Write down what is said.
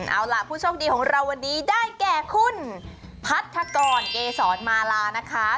เอาล่ะผู้โชคดีของเราวันนี้ได้แก่คุณพัทธกรเกษรมาลานะคะ